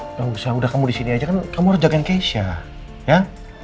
nggak usah udah kamu di sini aja kan kamu harus jagain keisha ya